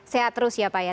sehat terus ya pak ya